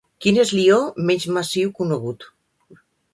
Quin és l'ió menys massiu conegut?